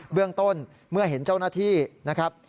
เรื่องต้นเมื่อเห็นเจ้าหน้าที่นะครับ